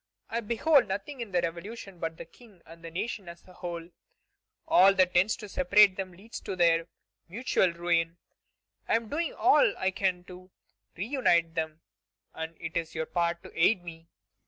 I behold nothing in the Revolution but the King and the nation as a whole; all that tends to separate them leads to their mutual ruin; I am doing all I can to reunite them, and it is your part to aid me.